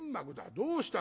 どうした？